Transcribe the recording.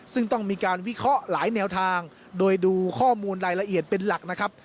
ซึ่งต้องมีการวิเคราะห์หลายแนวทางโดยดูข้อมูลรายละเอียดเป็นหลักนะครับ